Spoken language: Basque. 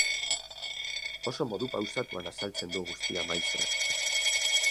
Oso modu pausatuan azaltzen du guztia maistrak.